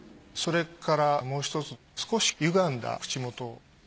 それからもうひとつ少しゆがんだ口もと。